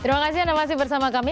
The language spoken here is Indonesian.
terima kasih anda masih bersama kami